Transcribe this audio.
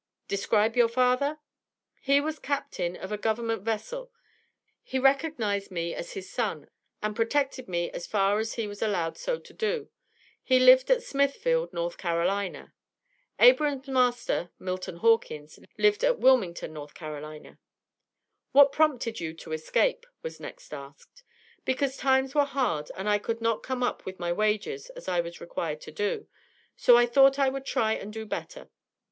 "Describe your father?" "He was captain of a government vessel; he recognized me as his son, and protected me as far as he was allowed so to do; he lived at Smithfield, North Carolina. Abram's master, Milton Hawkins, lived at Wilmington, N.C." "What prompted you to escape?" was next asked. "Because times were hard and I could not come up with my wages as I was required to do, so I thought I would try and do better."